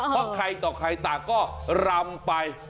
ข้าวใครต่อใครตาก็รำไป